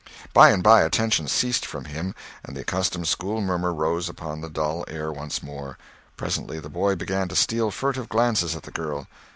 By and by attention ceased from him, and the accustomed school murmur rose upon the dull air once more. Presently the boy began to steal furtive glances at the girl.